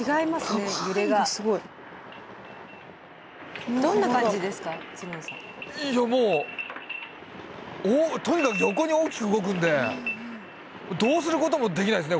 いやもうとにかく横に大きく動くんでどうすることもできないですね